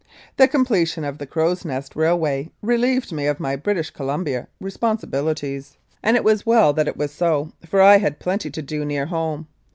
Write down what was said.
The completion of the Crow's Nest rail way relieved me of my British Columbia responsibili 87 Mounted Police Life in Canada ties, and it was well that it was so, for I had plenty to do near home.